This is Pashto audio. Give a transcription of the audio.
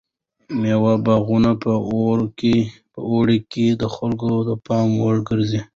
د مېوې باغونه په اوړي کې د خلکو د پام وړ ګرځي.